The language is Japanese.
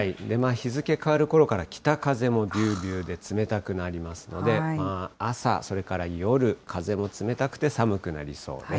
日付変わるころから北風もびゅーびゅーで冷たくなりますので、朝、それから夜、風も冷たくて寒くなりそうです。